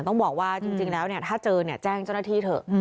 ต้องบอกว่าจริงแล้วเนี่ยถ้าเจอแจ้งเจ้าหน้าที่เถอะ